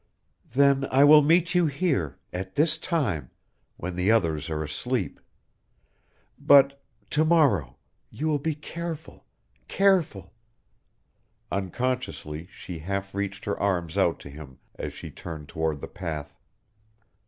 "Then I will meet you here at this time when the others are asleep. But to morrow you will be careful careful " Unconsciously she half reached her arms out to him as she turned toward the path.